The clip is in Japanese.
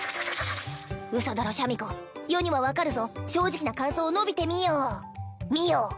嘘だろシャミ子余には分かるぞ正直な感想を述べてみよみよ